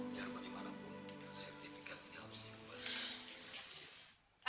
biar bagaimanapun kita sertifikat ini harus dikembalikan